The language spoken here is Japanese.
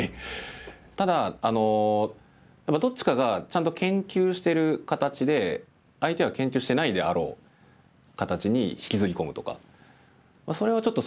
ただどっちかがちゃんと研究してる形で相手が研究してないであろう形に引きずり込むとか。